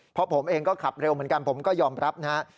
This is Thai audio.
เพราะผมเองก็ขับเร็วเหมือนกันผมก็ยอมรับนะฮะ